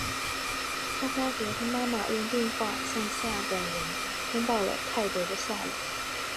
他发觉他妈妈用电话向下等人通报了泰德的下落。